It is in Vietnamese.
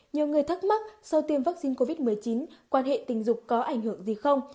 nhiều người thắc mắc sau tiêm vaccine covid một mươi chín quan hệ tình dục có ảnh hưởng gì không